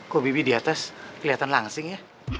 kok bibi di atas kelihatan langsing ya